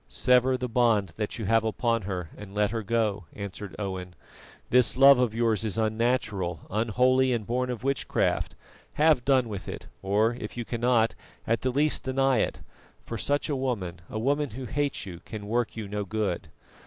"Sever the bond that you have upon her and let her go," answered Owen. "This love of yours is unnatural, unholy and born of witchcraft; have done with it, or if you cannot, at the least deny it, for such a woman, a woman who hates you, can work you no good.